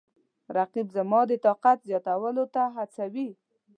رقیب زما د طاقت زیاتولو ته هڅوي